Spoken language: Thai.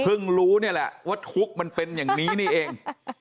รู้นี่แหละว่าทุกข์มันเป็นอย่างนี้นี่เอง